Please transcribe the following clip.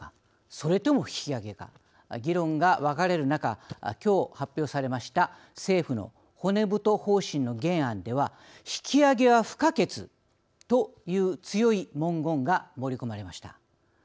それとも引き上げか議論が分かれる中きょう発表されました政府の骨太方針の原案では引き上げは不可欠という強い文言が盛り込まれました。